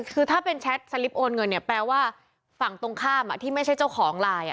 คือถ้าเป็นแชทสลิปโอนเงินเนี่ยแปลว่าฝั่งตรงข้ามที่ไม่ใช่เจ้าของไลน์